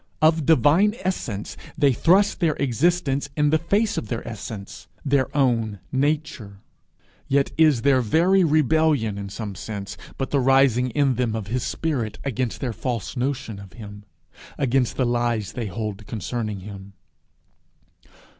Of divine essence, they thrust their existence in the face of their essence, their own nature. Yet is their very rebellion in some sense but the rising in them of his spirit against their false notion of him against the lies they hold concerning him.